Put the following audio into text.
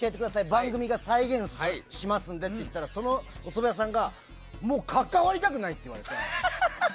番組が再現しますのでって言ったらそのおそば屋さんがもう関わりたくないって。